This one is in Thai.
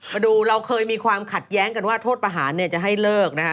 มาดูเราเคยมีความขัดแย้งกันว่าโทษประหารเนี่ยจะให้เลิกนะฮะ